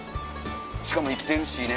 しかも生きてるしね。